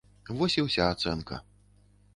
Вось і ўся ацэнка.